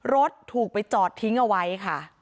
รถถูกไปจอดทิ้งเอาไว้ค่ะ